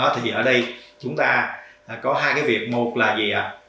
thì ở đây chúng ta có hai cái việc một là gì ạ